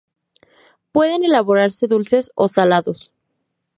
Pueden elaborarse dulces o salados.